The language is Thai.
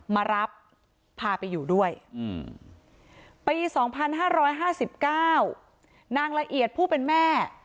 มารับพาไปอยู่ด้วยอืมปีสองพันห้าร้อยห้าสิบเก้านางละเอียดผู้เป็นแม่